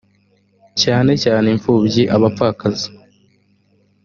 cyane cyane imfubyi abapfakazi